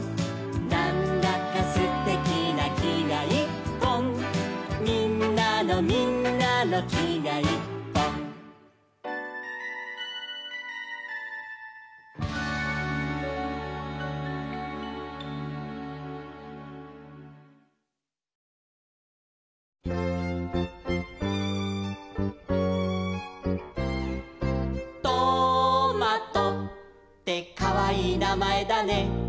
「なんだかすてきなきがいっぽん」「みんなのみんなのきがいっぽん」「トマトってかわいいなまえだね」